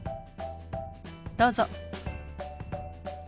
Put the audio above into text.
どうぞ。